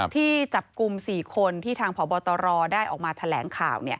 ที่จับกลุ่ม๔คนที่ทางพบตรได้ออกมาแถลงข่าว